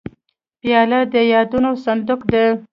پیاله د یادونو صندوق ده.